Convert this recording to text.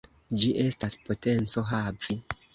Ĝi estas potenco havi.